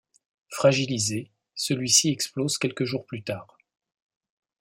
Fragilisé, celui-ci explose quelques jours plus tard.